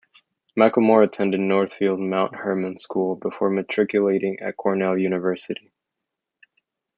McLamore attended Northfield Mount Hermon School before matriculating at Cornell University.